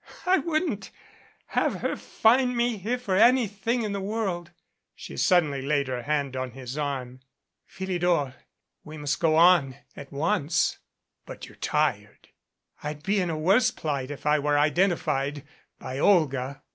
"I wouldn't have her find me here for anything in the world." She suddenly laid her hand on his arm. "Phili dor ! we must go on at once." "But you're tired " 211 MADCAP "I'd be in a worse plight if I were identified by Olga."